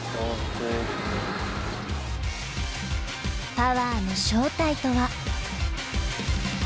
パワーの正体とは？